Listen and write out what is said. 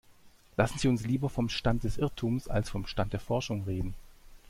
Lassen Sie uns lieber vom Stand des Irrtums als vom Stand der Forschung reden.